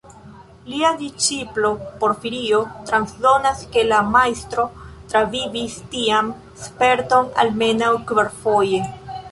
Lia disĉiplo Porfirio transdonas ke la majstro travivis tian sperton almenaŭ kvarfoje.